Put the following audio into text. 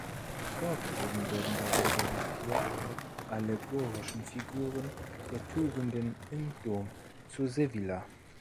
Hervorgehoben werden darunter die vier allegorischen Figuren der Tugenden im Dom zu Sevilla.